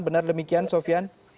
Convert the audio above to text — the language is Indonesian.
benar demikian sofian